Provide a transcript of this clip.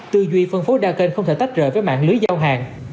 tư duy phân phối đa kênh không thể tách rời với mạng lưới giao hàng